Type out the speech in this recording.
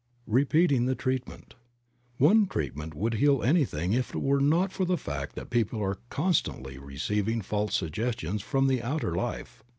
REPEATING THE TREATMENT. f)NE treatment would heal anything if it were not for the fact that people are constantly receiving false suggestions from the outer life.